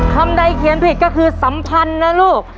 คำใดเขียนผิดก็คือสัมพันธ์นะลูก